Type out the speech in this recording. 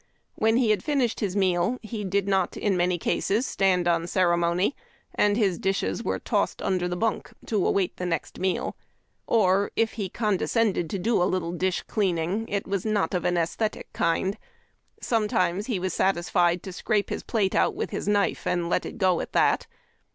When he had finished his meal, he did not in many cases stand on ceremony, and his dishes were tossed under the bunk to await the next meal. Or, if he condescended to do a little dish cleaning, it was not of an aesthetic kind. Sometimes he was satisfied to scrape his plate out with his knife, and let it go at that.